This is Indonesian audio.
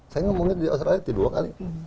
saya ngomongnya di australia dua kali